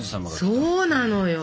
そうなのよ。